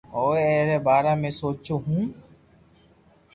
ھوئي اي ري بارا ۾ سوچو ھونن